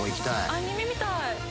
アニメみたい。